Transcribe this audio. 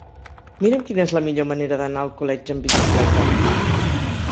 Mira'm quina és la millor manera d'anar a Alcoletge amb bicicleta.